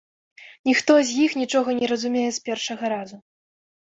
Ніхто з іх нічога не разумее з першага разу.